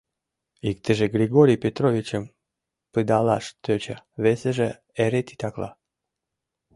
Иктыже Григорий Петровичым пыдалаш тӧча, весыже — эре титакла.